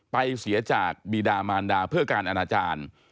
เสียจากบีดามานดาเพื่อการอนาจารย์